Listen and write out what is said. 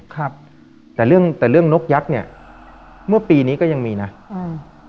ครับแต่เรื่องแต่เรื่องนกยักษ์เนี้ยเมื่อปีนี้ก็ยังมีนะอืม